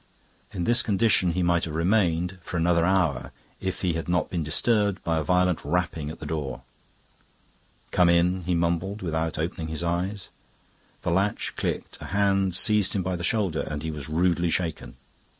In this condition he might have remained for another hour if he had not been disturbed by a violent rapping at the door. "Come in," he mumbled, without opening his eyes. The latch clicked, a hand seized him by the shoulder and he was rudely shaken.